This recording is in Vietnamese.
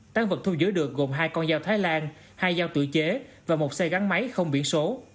tăng vật thu giữ được gồm hai con dao thái lan hai dao tự chế và một xe gắn máy không biển số